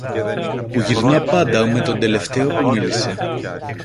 που γυρνά πάντα με τον τελευταίο που μίλησε